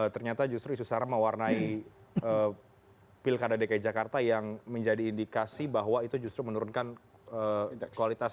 ternyata justru isu sara mewarnai pilkada dki jakarta yang menjadi indikasi bahwa itu justru menurunkan kualitas